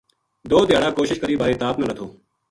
دو دھیاڑا کوشش کری بارے تاپ نہ لَتھو